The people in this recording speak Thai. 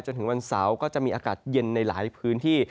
จนถึงวันเสาร์ก็จะมีอากาศเย็นในหลายพื้นที่